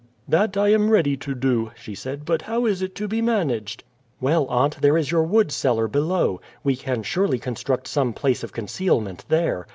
"That I am ready to do," she said. "But how is it to be managed?" "Well, aunt, there is your wood cellar below. We can surely construct some place of concealment there.